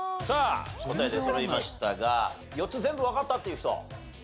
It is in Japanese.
さあ答え出そろいましたが４つ全部わかったっていう人？